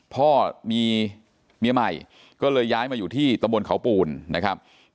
พ่อมีเมียใหม่ก็เลยย้ายมาอยู่ที่ตะบนเขาปูนนะครับ